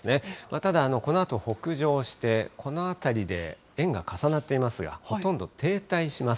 ただこのあと北上して、この辺りで円が重なっていますが、ほとんど停滞します。